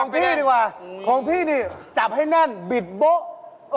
พี่ดีกว่าของพี่นี่จับให้แน่นบิดโบ๊ะ